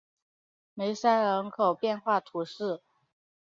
梅塞人口变化图示